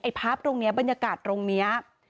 ไอ้ภาพตรงเนี่ยบรรยากาศตรงเนีย